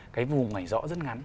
cái vùng ngoài rõ rất ngắn